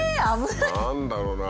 何だろうな？